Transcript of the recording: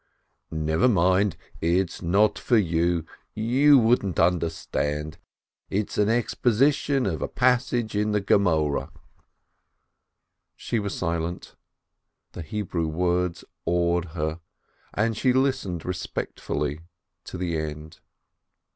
"Never mind, it's not for you, you wouldn't under stand— it is an exposition of a passage in the Gemoreh." She was silent, the Hebrew words awed her, and she listened respectfully to the end.